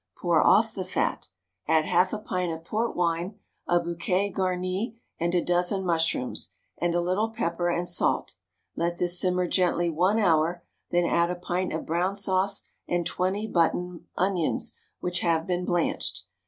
Pour off the fat. Add half a pint of port wine, a bouquet garni, and a dozen mushrooms, and a little pepper and salt; let this simmer gently one hour; then add a pint of brown sauce and twenty button onions which have been blanched.